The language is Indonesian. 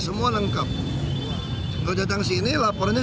perbualan agar anggaran kadar arquitab melewati peng patience